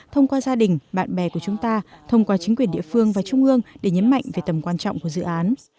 thông qua gia đình bạn bè của chúng ta thông qua chính quyền địa phương và trung ương để nhấn mạnh về tầm quan trọng của dự án